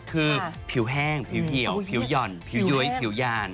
คือผิวแห้งผิวเกี่ยวผิวหย่อนผิวย้วยผิวยาน